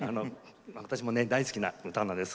私もね大好きな歌なんです。